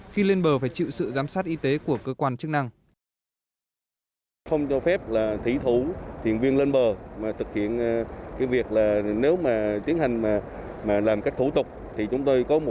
khi lên bờ phải chịu sự giám sát y tế của cơ quan chức năng